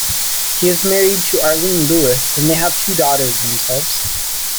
He is married to Arlene Lewis and they have two daughters themselves.